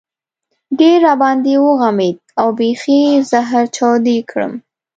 ډېر را باندې وغمېد او بېخي زهره چاودی کړم.